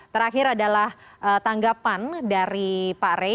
terakhir adalah tanggapan dari pak rey